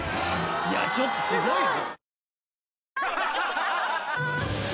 いやちょっとすごいぞ！